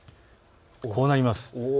こうなります。